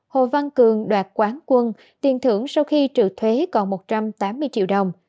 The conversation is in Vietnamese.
hồ văn cường đoạt quán quân tiền thưởng sau khi trừ thuế còn một trăm tám mươi triệu đồng